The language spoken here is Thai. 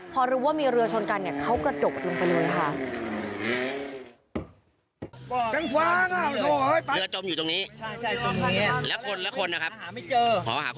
พอรู้ว่ามีเรือชนกันเนี่ยเขากระโดดลงไปเลยค่ะ